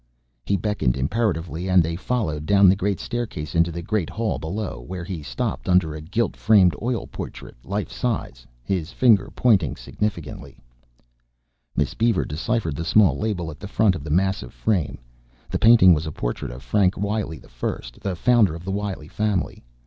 He beckoned imperatively and they followed down the great staircase into the great hall below, where he stopped under a gilt framed oil portrait, life size. His finger pointed significantly. Miss Beaver deciphered the small label at the front of the massive frame. The painting was a portrait of Frank Wiley I, the founder of the Wiley family.